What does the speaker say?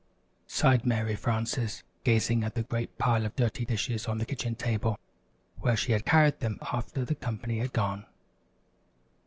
sighed Mary Frances, gazing at the great pile of dirty dishes on the kitchen table, where she had carried them after the company had gone.